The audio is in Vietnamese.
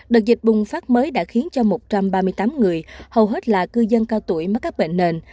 đợt dịch bùng phát mới đã khiến cho một trăm ba mươi tám người hầu hết là cư dân cao tuổi mắc các bệnh nền